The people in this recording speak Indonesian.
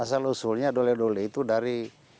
asal usulnya dole dole itu dari